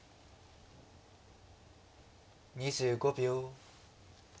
２５秒。